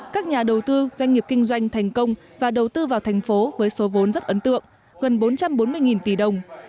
các nhà đầu tư doanh nghiệp kinh doanh thành công và đầu tư vào thành phố với số vốn rất ấn tượng gần bốn trăm bốn mươi tỷ đồng